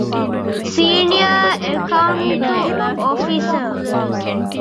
ސީނިއަރ އެކައުންޓް އޮފިސަރ